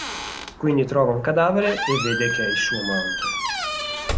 Quindi trova un cadavere e vede che è il suo amante.